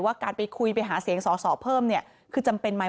การไปคุยไปหาเสียงสอสอเพิ่มเนี่ยคือจำเป็นไหม